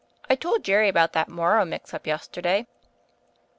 "1 told Jerry about that Morrow mix up yesterday."